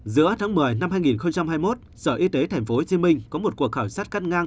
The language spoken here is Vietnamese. giữa tháng một mươi năm hai nghìn hai mươi một sở y tế tp hcm có một cuộc khảo sát cắt ngang